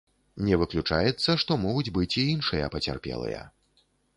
Не выключаецца, што могуць быць і іншыя пацярпелыя.